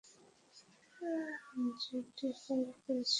JD call করেছিল।